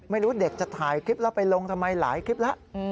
ไม่รู้เด็กจะถ่ายคลิปแล้วไปลงทำไมหลายคลิปแล้ว